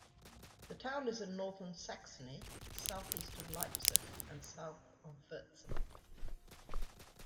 The town is in northern Saxony, southeast of Leipzig and south of Wurzen.